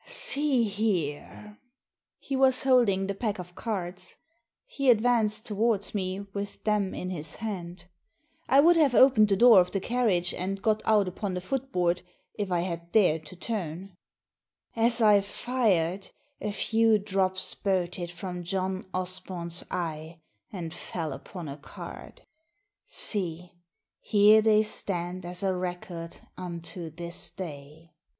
"See here." He was holding the pack of cards. He advanced towards me with them in his hand. I would have opened the door of the carriage and got out upon the footboard, if I had dared to turn. Digitized by VjOOQIC 84 THE SEEN AND THE UNSEEN " As I fired a few drops spurted from John Osbom's eye and fell upon a card. See, here they stand as a record unto this day."